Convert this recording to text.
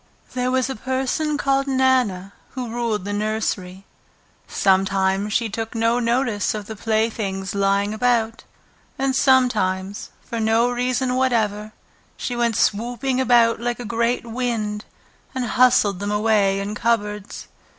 There was a person called Nana who ruled the nursery. Sometimes she took no notice of the playthings lying about, and sometimes, for no reason whatever, she went swooping about like a great wind and hustled them away in cupboards.